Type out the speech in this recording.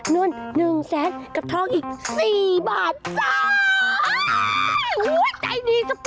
นื่นหนึ่งแสนกับท้องอีก๔บาท